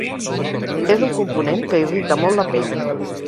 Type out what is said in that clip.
És un component que irrita molt la pell.